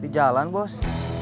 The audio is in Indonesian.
di jalan bos